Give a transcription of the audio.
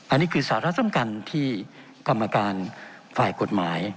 อันนี้คือศาลธรรมกันที่กรรมการฝ่ายกฎหมาย